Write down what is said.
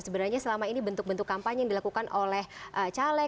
sebenarnya selama ini bentuk bentuk kampanye yang dilakukan oleh caleg